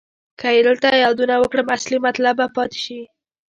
که یې دلته یادونه وکړم اصلي مطلب به پاتې شي.